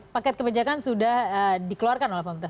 paket kebijakan sudah dikeluarkan oleh pemerintah